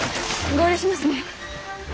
合流しますね。